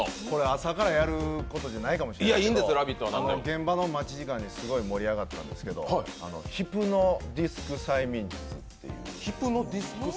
朝からやることじゃないかもしれないんですけど現場の待ち時間にすごい盛り上がったんですけど、ヒプノディスク催眠術っていう。